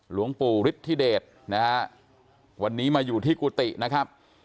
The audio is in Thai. หลวงปู่ฤทธิเดชนะฮะวันนี้มาอยู่ที่กุฏินะครับ